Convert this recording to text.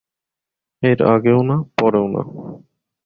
এর আগেও না, পরেও না।